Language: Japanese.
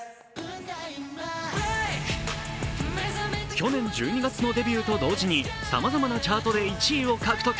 去年１２月のデビューと同時にさまざまなチャートで１位を獲得。